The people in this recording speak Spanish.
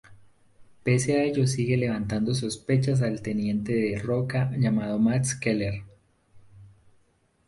Pese a ello sigue levantando sospechas al teniente de Rocca, llamado Max Keller.